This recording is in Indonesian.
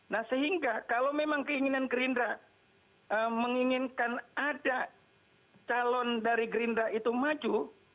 nah sehingga kalau memang keinginan gerindra menginginkan ada calon dari gerindra itu maju